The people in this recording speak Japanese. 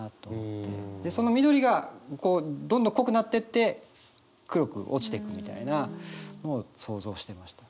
その緑がどんどん濃くなってって黒く落ちていくみたいなのを想像してました。